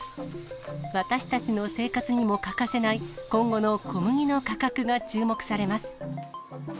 私たちの生活にも欠かせない今後の小麦の価格が注目されます。